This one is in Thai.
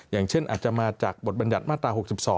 อย่างเช่นอาจจะมาจากบทบัญญัติมาตรา๖๒